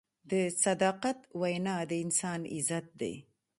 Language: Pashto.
د صداقت وینا د انسان عزت دی.